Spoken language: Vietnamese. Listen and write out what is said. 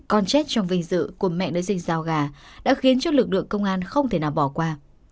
con chết trong vinh dự của mẹ nữ sinh sao gà đã khiến cho lực lượng công an không thể nào bỏ qua